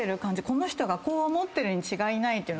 この人がこう思ってるに違いないって。